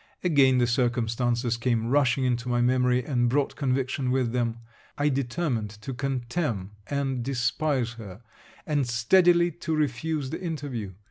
Again the circumstances came rushing into my memory, and brought conviction with them. I determined to contemn and despise her; and steadily to refuse the interview.